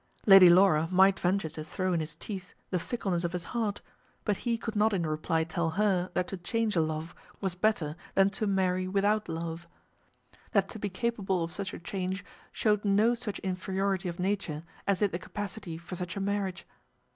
Lady Laura might venture to throw in his teeth the fickleness of his heart, but he could not in reply tell her that to change a love was better than to marry without love, that to be capable of such a change showed no such inferiority of nature as did the capacity for such a marriage.